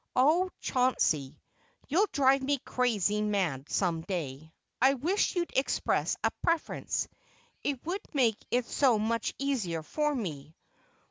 "Oh, Chauncey! You'll drive me crazy mad some day. I wish you'd express a preference; it would make it so much easier for me.